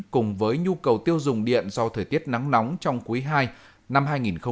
cùng với nhu cầu tiêu dùng điện do thời tiết nắng nóng trong quý ii năm hai nghìn hai mươi